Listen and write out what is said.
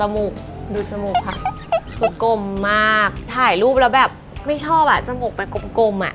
ไม่ชอบอะจมูกมันกลมอะ